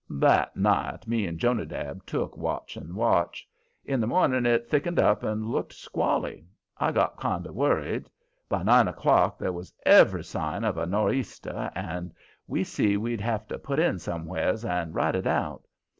That night me and Jonadab took watch and watch. In the morning it thickened up and looked squally. I got kind of worried. By nine o'clock there was every sign of a no'theaster, and we see we'd have to put in somewheres and ride it out.